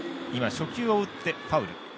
初球を打ってファウル。